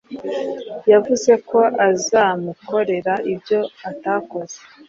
yavuze ko azomukorera ibyo atakoze